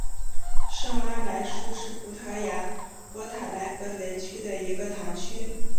圣阿莱舒是葡萄牙波塔莱格雷区的一个堂区。